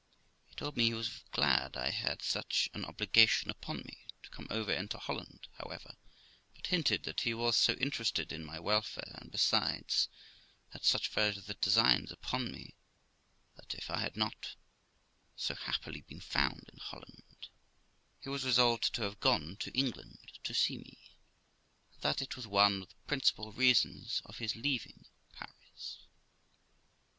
He told me he was glad I had such an obligation upon me to come over into Holland, however, but hinted that he was so interested in my welfare, and, besides, had such further designs upon me, that, if I had not so happily been found in Holland, he was resolved to have gone to England to see me, and that it was one of the principal reasons of his leaving Paris.